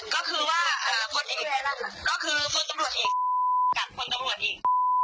ก็คือว่าคนตำรวจอีกกับคนตำรวจอีก